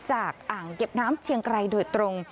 อ่างเก็บน้ำเชียงไกรโดยตรง